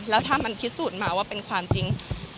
แล้วถ้ามันพิสูจน์มาว่าเป็นความจริง